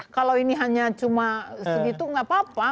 kalau ini hanya cuma segitu nggak apa apa